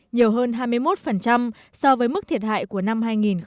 nhiều hơn hai mươi một so với mức thiệt hại của năm hai nghìn một mươi bảy